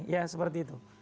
ya seperti itu